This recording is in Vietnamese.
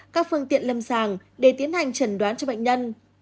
các phương tiện lâm sàng để tiến hành trần đoán cho bệnh nhân